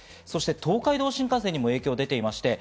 東海道新幹線にも影響は出ています。